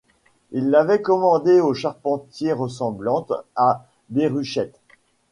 Il l’avait commandée au charpentier ressemblante à Déruchette.